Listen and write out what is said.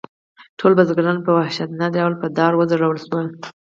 ټول بزګران په وحشیانه ډول په دار وځړول شول.